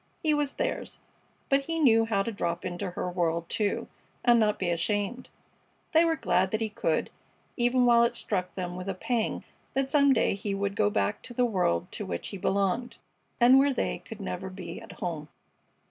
He was theirs; but he knew how to drop into her world, too, and not be ashamed. They were glad that he could, even while it struck them with a pang that some day he would go back to the world to which he belonged and where they could never be at home.